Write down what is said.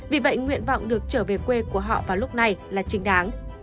vì vậy nguyện vọng được trở về quê của họ vào lúc này là chính đáng